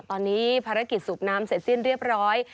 ตอนนี้ภารกิจสูบน้ำเสร็จสิ้นเรียบร้อย